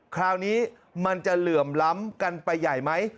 คราวนี้มันจะเหลื่อมล้ำกันไปใหญ่ไหม